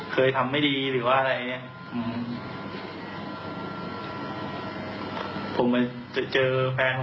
เป็นหัวหน้าครอบครัว